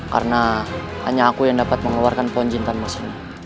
karena hanya aku yang dapat mengeluarkan pohon cinta mas ini